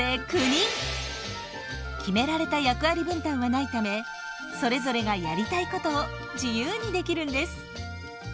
決められた役割分担はないためそれぞれがやりたいことを自由にできるんです。